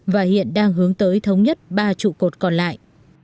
và hiện đang hướng tới thống nhất ba trụ cột còn lại